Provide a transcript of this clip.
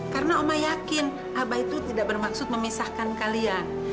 karena omah yakin abah itu tidak bermaksud memisahkan kalian